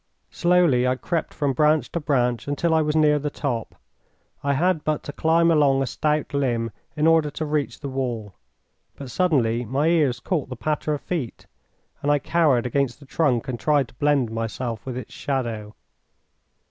Slowly I crept from branch to branch until I was near the top. I had but to climb along a stout limb in order to reach the wall. But suddenly my ears caught the patter of feet, and I cowered against the trunk and tried to blend myself with its shadow.